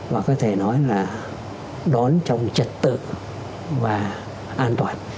và có thể nói là đón trong trật tự và an toàn